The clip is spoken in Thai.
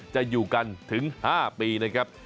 จะอยู่กันถึง๕ปีนะครับ